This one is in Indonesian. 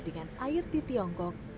dengan air di tiongkok